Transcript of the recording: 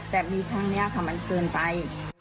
แต่มีครั้งนี้ค่ะมันเกินไป